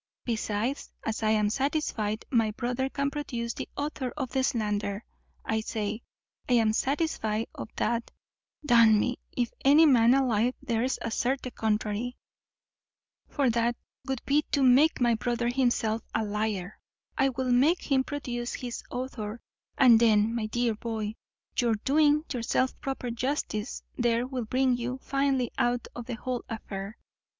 Besides, as I am satisfied my brother can produce the author of the slander I say, I am satisfied of that d n me, if any man alive dares assert the contrary; for that would be to make my brother himself a liar I will make him produce his author; and then, my dear boy, your doing yourself proper justice there will bring you finely out of the whole affair.